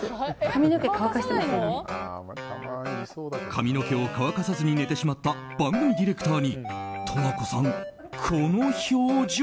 髪の毛を乾かさずに寝てしまった番組ディレクターに十和子さん、この表情。